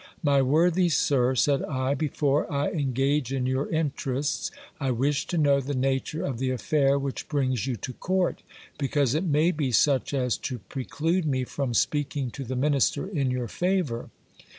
My worthy sir, said I, before I engage in your interests, I wish to know the nature of the affair which brings you to court ; because it may be such as to preclude me from speaking to the minister in your favour.